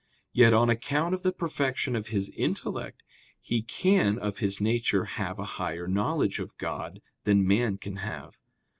Yet on account of the perfection of his intellect he can of his nature have a higher knowledge of God than man can have.